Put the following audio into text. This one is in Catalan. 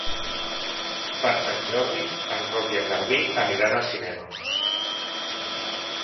Per Sant Jordi en Roc i en Garbí aniran al cinema.